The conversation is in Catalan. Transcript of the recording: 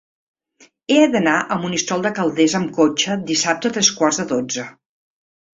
He d'anar a Monistrol de Calders amb cotxe dissabte a tres quarts de dotze.